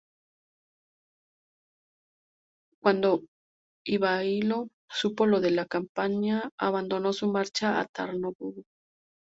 Cuando Ivailo supo lo de la campaña abandonó su marcha a Tarnovo.